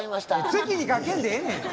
「月」にかけんでええねん。